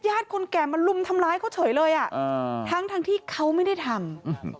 เย็ดคนแก่มาลุมทำร้ายเขาเฉยเลยทั้งที่เขาไม่ได้ทำ